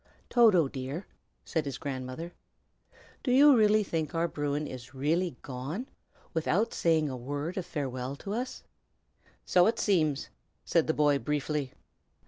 "Toto, dear," said his grandmother, "do you think our Bruin is really gone, without saying a word of farewell to us?" "So it seems!" said the boy, briefly.